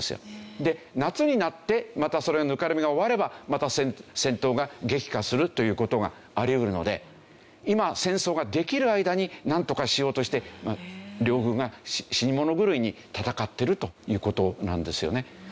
で夏になってまたぬかるみが終わればまた戦闘が激化するという事があり得るので今戦争ができる間になんとかしようとして両軍が死にもの狂いに戦ってるという事なんですよね。